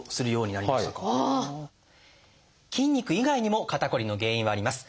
筋肉以外にも肩こりの原因はあります。